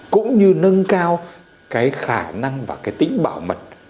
cũng như nâng cao cái khả năng và cái tính bảo mật